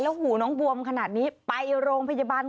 แล้วหูน้องบวมขนาดนี้ไปโรงพยาบาล